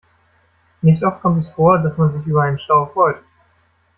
Nicht oft kommt es vor, dass man sich über einen Stau freut.